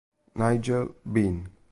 Nigel Benn